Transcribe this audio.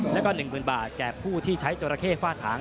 แล้วก็๑๐๐๐บาทแก่ผู้ที่ใช้จราเข้ฟาดหาง